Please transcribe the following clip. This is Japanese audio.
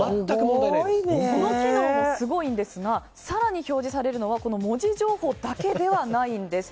この機能もすごいんですが更に表示されるのは文字情報だけではないんです。